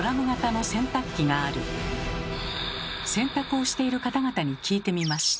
洗濯をしている方々に聞いてみました。